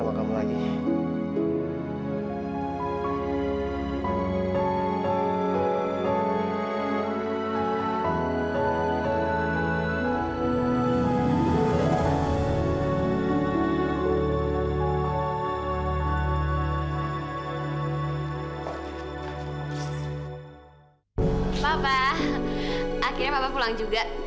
papa akhirnya papa pulang juga